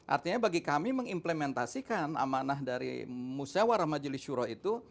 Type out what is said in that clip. artinya bagi kami mengimplementasikan amanah dari musyawarah majelis syuroh itu